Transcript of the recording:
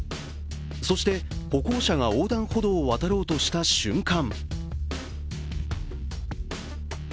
そして、歩行者が横断歩道を渡ろうとした瞬間